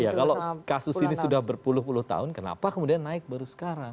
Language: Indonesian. iya kalau kasus ini sudah berpuluh puluh tahun kenapa kemudian naik baru sekarang